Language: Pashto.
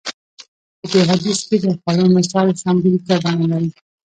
په دې حديث کې د خوړو مثال سمبوليکه بڼه لري.